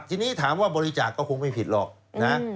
ทีนี้ถามว่าบริจาคก็คงไม่ผิดหรอกนะ